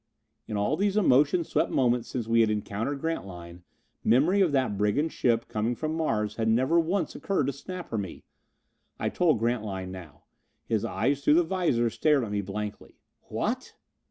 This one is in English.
In all these emotion swept moments since we had encountered Grantline, memory of that brigand ship coming from Mars had never once occurred to Snap or me! I told Grantline now. His eyes through the visor stared at me blankly. "What!"